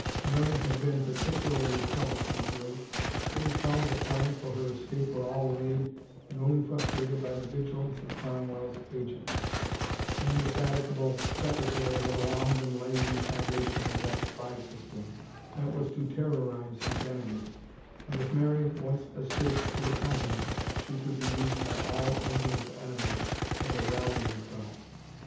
Mary had been particularly troublesome of late ; it was found that plans for her escape were all laid and only frustrated by the vigilance of Cromwell's agents — the indefatigable sec retary had long been laying the foundations of that spy system that was to terrorize his enemies — and if Mary once escaped to the continent she could be used by all England's enemies as a rallying cry.